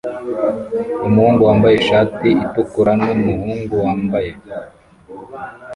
Umuhungu wambaye ishati itukura numuhungu wambaye